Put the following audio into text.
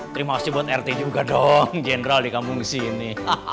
terima kasih buat rt juga dong jendral dikabung sini